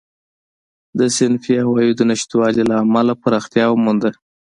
د صنفي قواعدو نشتوالي له امله پراختیا ومونده.